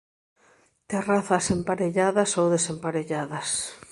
Terrazas emparelladas ou desemparelladas.